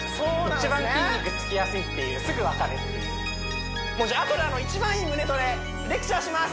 一番筋肉つきやすいすぐ分かるじゃああとで一番いい胸トレレクチャーします